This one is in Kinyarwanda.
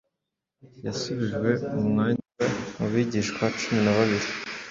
yasubijwe mu mwanya we mu bigishwa cumi na babiri.